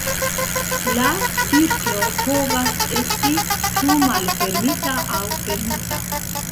La cirklo povas esti ĉu malfermita aŭ fermita.